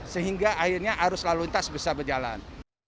sehingga akhirnya arus lalu lintas bisa berjalan